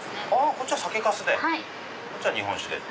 こっちは酒かすでこっちは日本酒で。